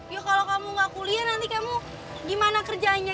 ya kalau kamu gak kuliah nanti kamu gimana kerjaannya